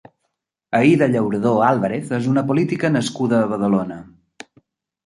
Aïda Llauradó Álvarez és una política nascuda a Badalona.